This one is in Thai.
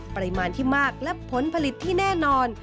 ปริมาณที่มากและผลผลิตที่แน่นอน